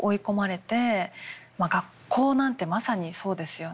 まあ学校なんてまさにそうですよね。